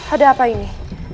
ada apa ini